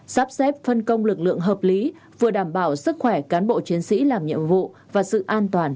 sắp xếp phân công lực lượng hợp lý vừa đảm bảo sức khỏe cán bộ chiến sĩ làm nhiệm vụ và sự an toàn cho nhân dân